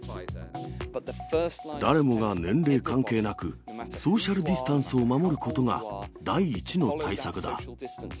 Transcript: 誰もが年齢関係なく、ソーシャルディスタンスを守ることが、第一の対策だ。